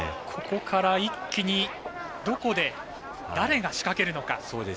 ここから一気にどこで誰が仕掛けるのか。